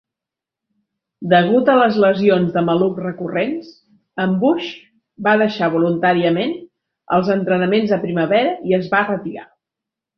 Degut a les lesions de maluc recurrents, en Bush va deixar voluntàriament els entrenaments de primavera i es va retirar.